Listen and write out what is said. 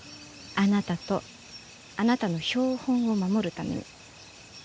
あなたとあなたの標本を守るために。